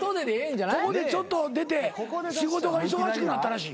ここでちょっと出て仕事が忙しくなったらしい。